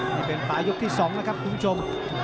นี่เป็นปลายกที่๒นะครับคุณผู้ชม